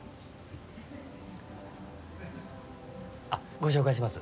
あっご紹介します。